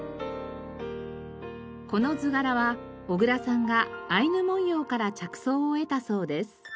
この図柄は小倉さんがアイヌ文様から着想を得たそうです。